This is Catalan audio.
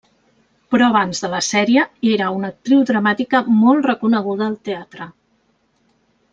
Però abans de la sèrie, era una actriu dramàtica molt reconeguda al teatre.